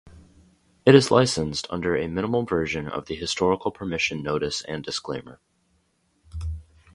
It is licensed under a minimal version of the Historical Permission Notice and Disclaimer.